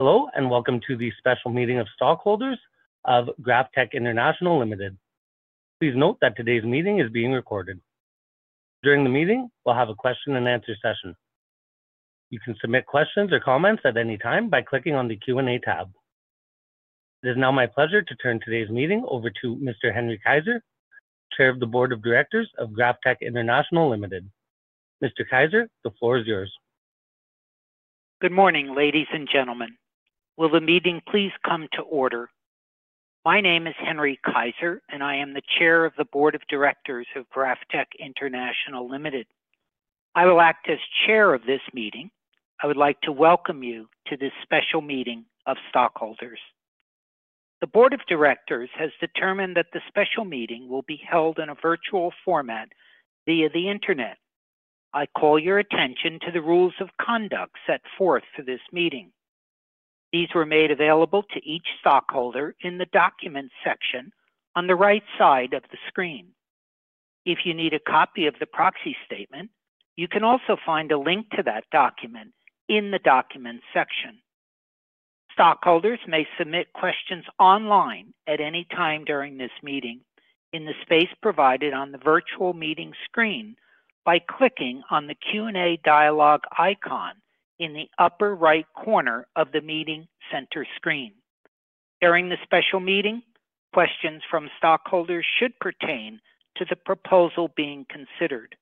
Hello, and welcome to the special meeting of stockholders of GrafTech International Ltd. Please note that today's meeting is being recorded. During the meeting, we'll have a question-and-answer session. You can submit questions or comments at any time by clicking on the Q&A tab. It is now my pleasure to turn today's meeting over to Mr. Henry Keizer, Chair of the Board of Directors of GrafTech International Ltd. Mr. Keizer, the floor is yours. Good morning, ladies and gentlemen. Will the meeting please come to order? My name is Henry Keizer, and I am the Chair of the Board of Directors of GrafTech International Ltd. I will act as Chair of this meeting. I would like to welcome you to this special meeting of stockholders. The Board of Directors has determined that the special meeting will be held in a virtual format via the Internet. I call your attention to the rules of conduct set forth for this meeting. These were made available to each stockholder in the documents section on the right side of the screen. If you need a copy of the proxy statement, you can also find a link to that document in the documents section. Stockholders may submit questions online at any time during this meeting in the space provided on the virtual meeting screen by clicking on the Q&A dialog icon in the upper right corner of the meeting center screen. During the special meeting, questions from stockholders should pertain to the proposal being considered.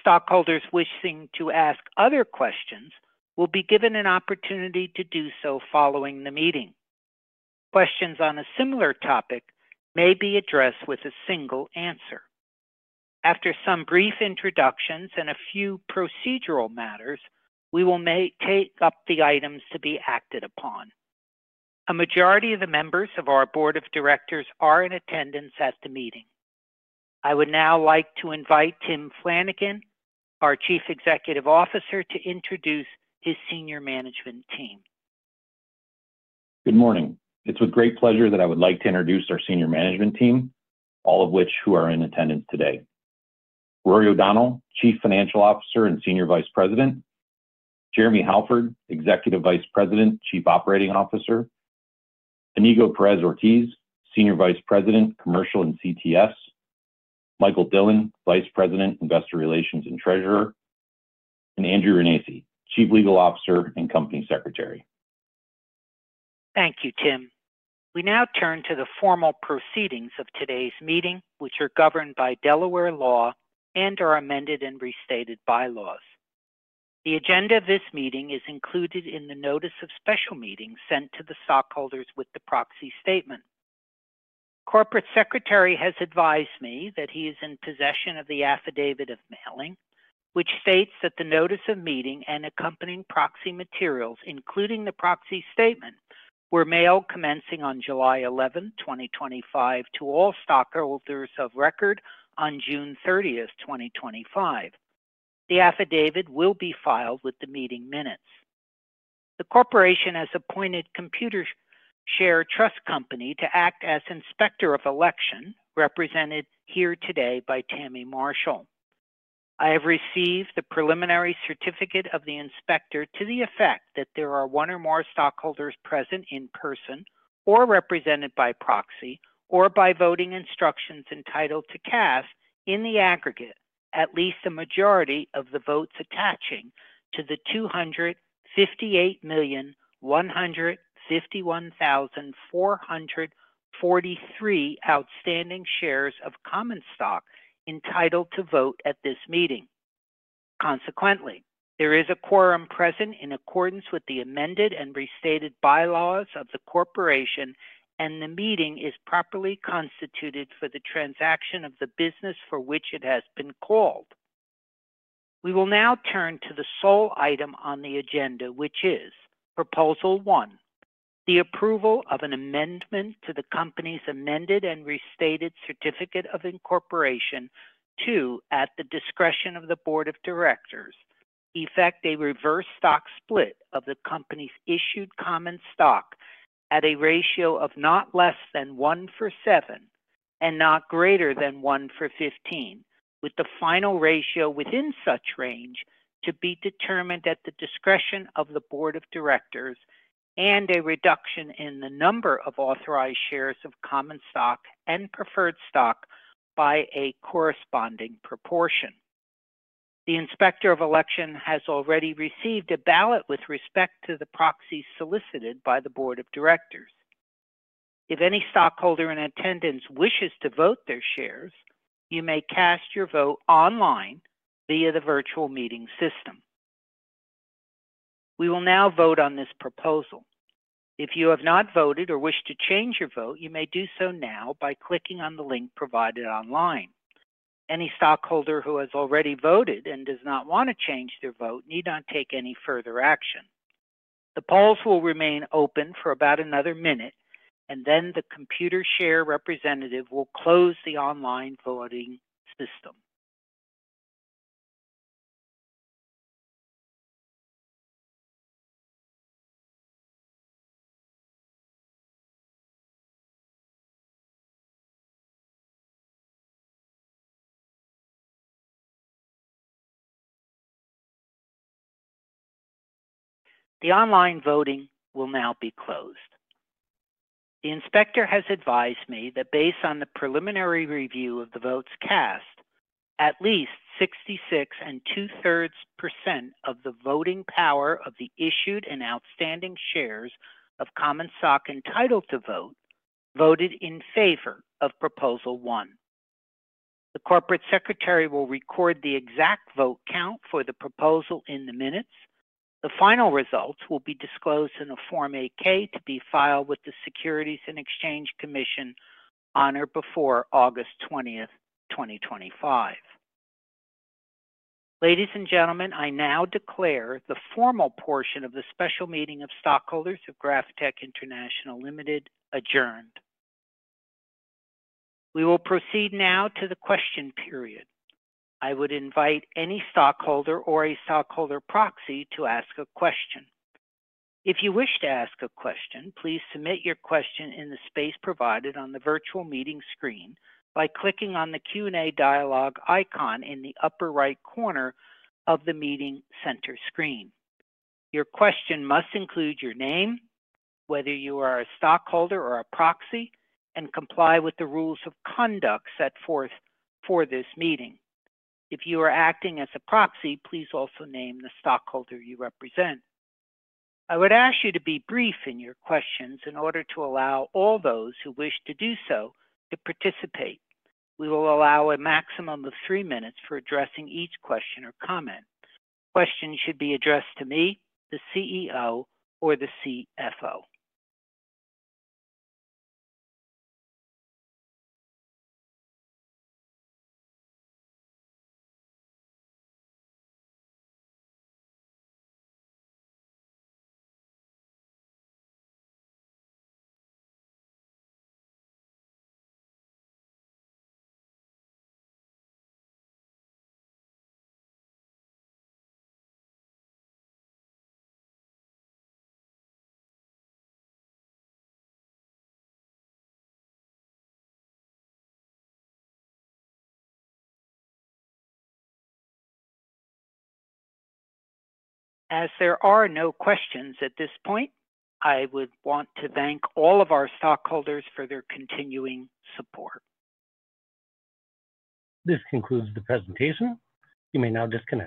Stockholders wishing to ask other questions will be given an opportunity to do so following the meeting. Questions on a similar topic may be addressed with a single answer. After some brief introductions and a few procedural matters, we will take up the items to be acted upon. A majority of the members of our Board of Directors are in attendance at the meeting. I would now like to invite Tim Flanagan, our Chief Executive Officer, to introduce his senior management team. Good morning. It's with great pleasure that I would like to introduce our senior management team, all of which who are in attendance today: Rory O'Donnell, Chief Financial Officer and Senior Vice President, Jeremy Halford, Executive Vice President, Chief Operating Officer, Iñigo Perez Ortiz, Senior Vice President, Commercial and CTFs, Michael Dillon, Vice President, Investor Relations and Treasurer, and Andrew Renacci, Chief Legal Officer and Company Secretary. Thank you, Tim. We now turn to the formal proceedings of today's meeting, which are governed by Delaware law and our amended and restated bylaws. The agenda of this meeting is included in the notice of special meeting sent to the stockholders with the proxy statement. The Corporate Secretary has advised me that he is in possession of the affidavit of mailing, which states that the notice of meeting and accompanying proxy materials, including the proxy statement, were mailed commencing on July 11, 2025, to all stockholders of record on June 30, 2025. The affidavit will be filed with the meeting minutes. The Corporation has appointed Computershare Trust Company to act as Inspector of Election, represented here today by Tammy Marshall. I have received the preliminary certificate of the Inspector to the effect that there are one or more stockholders present in person or represented by proxy or by voting instructions entitled to cast in the aggregate at least the majority of the votes attaching to the 258,151,443 outstanding shares of common stock entitled to vote at this meeting. Consequently, there is a quorum present in accordance with the amended and restated bylaws of the Corporation, and the meeting is properly constituted for the transaction of the business for which it has been called. We will now turn to the sole item on the agenda, which is Proposal 1: The approval of an amendment to the company's Amended and Restated Certificate of Incorporation to, at the discretion of the Board of Directors, effect a reverse stock split of the company's issued common stock at a ratio of not less than one for seven and not greater than one for 15, with the final ratio within such range to be determined at the discretion of the Board of Directors, and a reduction in the number of authorized shares of common stock and preferred stock by a corresponding proportion. The Inspector of Election has already received a ballot with respect to the proxy solicited by the Board of Directors. If any stockholder in attendance wishes to vote their shares, you may cast your vote online via the virtual meeting system. We will now vote on this proposal. If you have not voted or wish to change your vote, you may do so now by clicking on the link provided online. Any stockholder who has already voted and does not want to change their vote need not take any further action. The polls will remain open for about another minute, and then the Computershare representative will close the online voting system. The online voting will now be closed. The Inspector of Election has advised me that based on the preliminary review of the votes cast, at least 66 and 2/3 percent of the voting power of the issued and outstanding shares of common stock entitled to vote voted in favor of Proposal 1. The Corporate Secretary will record the exact vote count for the proposal in the minutes. The final results will be disclosed in a Form 8-K to be filed with the Securities and Exchange Commission on or before August 20, 2025. Ladies and gentlemen, I now declare the formal portion of the special meeting of stockholders of GrafTech International Ltd. adjourned. We will proceed now to the question period. I would invite any stockholder or a stockholder proxy to ask a question. If you wish to ask a question, please submit your question in the space provided on the virtual meeting screen by clicking on the Q&A dialog icon in the upper right corner of the meeting center screen. Your question must include your name, whether you are a stockholder or a proxy, and comply with the rules of conduct set forth for this meeting. If you are acting as a proxy, please also name the stockholder you represent. I would ask you to be brief in your questions in order to allow all those who wish to do so to participate. We will allow a maximum of three minutes for addressing each question or comment. Questions should be addressed to me, the CEO, or the CFO. As there are no questions at this point, I would want to thank all of our stockholders for their continuing support. This concludes the presentation. You may now discuss.